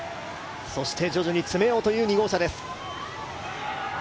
そして徐々に詰めようという２号車です。